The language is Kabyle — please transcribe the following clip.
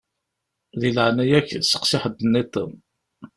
Di leɛnaya-k steqsi ḥedd-nniḍen.